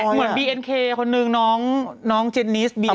เหมือนบีเอ็นเคคนหนึ่งน้องเจนิสบีเอ็นเค